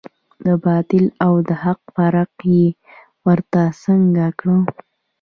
د باطل او د حق فرق یې ورته څرګند کړ.